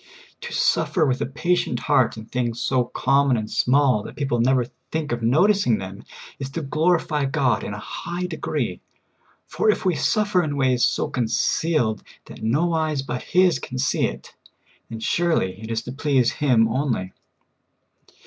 To suffer with a patient heart in things so common and small that people never think of notic ing them is to glorify God in a high degree ; for if we suffer in ways so concealed that no eyes but His can see it, then surely it is to please Him only.